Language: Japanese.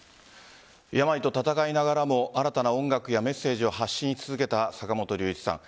病と闘いながらも新たな音楽やメッセージを発信し続けた坂本龍一さん。